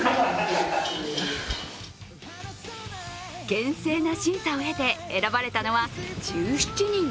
厳正な審査を経て選ばれたのは１７人。